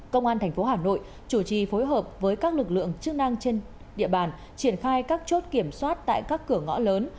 công an tp hà nội chủ trì phối hợp với các lực lượng chức năng trên địa bàn triển khai các chốt kiểm soát tại các cửa ngõ lớn